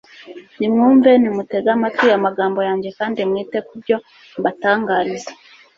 nimwumve, nimutege amatwi amagambo yanjye, kandi mwite ku byo mbatangariza